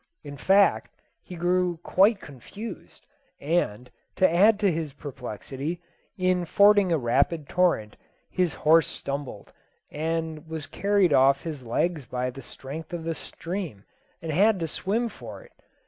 In fact, he grew quite confused, and, to add to his perplexity, in fording a rapid torrent his horse stumbled, and was carried off his legs by the strength of the stream, and had to swim for it.